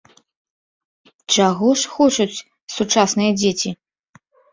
Чаго ж хочуць сучасныя дзеці?